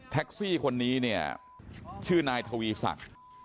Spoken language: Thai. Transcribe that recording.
แท็กซี่คนนี้ชื่อนายทวีสัก